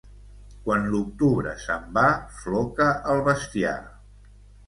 Quan l'octubre se'n va, floca el bestiar.